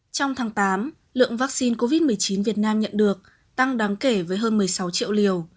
trong tháng tám lượng vaccine covid một mươi chín việt nam nhận được tăng đáng kể với hơn một mươi sáu triệu liều